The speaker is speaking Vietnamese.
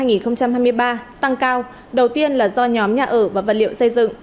nguyên nhân cpi quý i năm hai nghìn hai mươi ba tăng cao đầu tiên là do nhóm nhà ở và vật liệu xây dựng